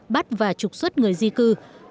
bắt và trục xuất người di cư